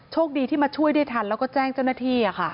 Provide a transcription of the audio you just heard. โชคดีที่มาช่วยได้ทันแล้วก็แจ้งเจ้าหน้าที่